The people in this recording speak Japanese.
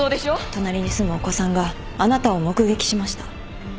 隣に住むお子さんがあなたを目撃しました。